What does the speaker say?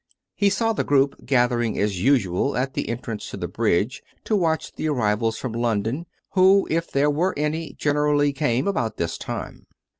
He saw the group gathering as usual at the entrance to the bridge to watch the arrivals from London, who, if there were any, generally came about this time.